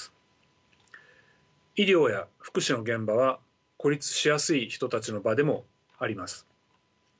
医療や福祉の現場は孤立しやすい人たちの場でもあります。